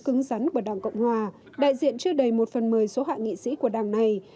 cứng rắn của đảng cộng hòa đại diện chưa đầy một phần một mươi số hạ nghị sĩ của đảng này